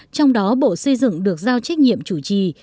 trong đó bộ xây dựng được giao trách nhiệm chủ trì